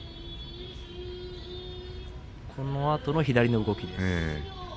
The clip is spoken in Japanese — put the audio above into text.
このあとの左の動きです。